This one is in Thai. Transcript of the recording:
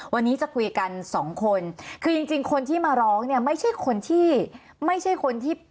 วันนี้จะคุยกันสองคนคือจริงคนที่มาร้องเนี่ยไม่ใช่คนที่